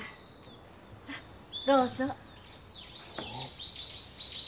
さっどうぞ。